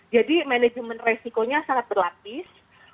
jadi manajemen resikonya sangat berlapis